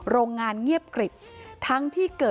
คุณพ่อเสียชีวิตด้วยสาเหตุอะไร